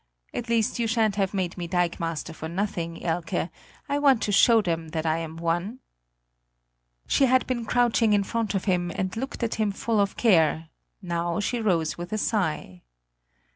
At least you shan't have made me dikemaster for nothing, Elke; I want to show them that I am one!" She had been crouching in front of him and looking at him full of care; now she rose with a sigh.